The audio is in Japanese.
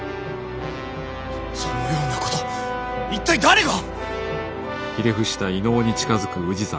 そのようなこと一体誰が！